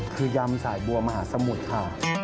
คือยำสายบัวมหาสมุทรค่ะ